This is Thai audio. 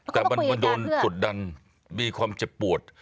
แต่มันมาโดนกดดันมีความเจ็บปวด